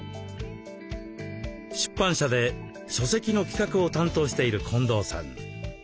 出版社で書籍の企画を担当している近藤さん。